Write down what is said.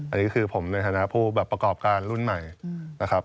อันนี้คือผมในฐานะผู้แบบประกอบการรุ่นใหม่นะครับ